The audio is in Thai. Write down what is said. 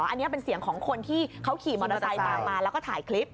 อันนี้เป็นเสียงของคนที่เขาขี่มอเตอร์ไซค์ตามมาแล้วก็ถ่ายคลิป